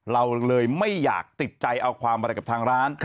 เราเลยไม่อยากติดใจเอาความอะไรกับทางร้าน